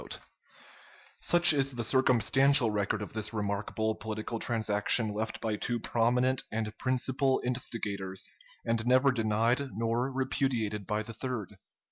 ] Such is the circumstantial record of this remarkable political transaction left by two prominent and principal instigators, and never denied nor repudiated by the third.